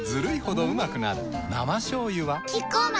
生しょうゆはキッコーマン